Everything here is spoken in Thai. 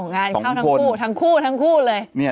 งานเข้าทั้งคู่ทั้งคู่เลย